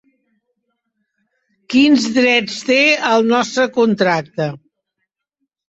Quins drets té el nostre contracte?